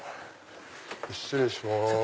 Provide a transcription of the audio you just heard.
失礼します。